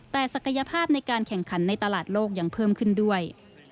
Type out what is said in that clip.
แต่ศักยภาพในการแข่งขันในตลาดโลกยังเพิ่มขึ้นด้วย